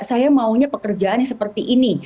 saya maunya pekerjaan yang seperti ini